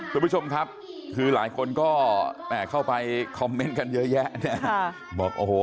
คุณผู้ชมครับคือหลายคนก็เข้าไปคอมเมนต์กันเยอะแยะเนี่ยบอกโอ้โห